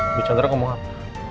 mama chandra ngasih aku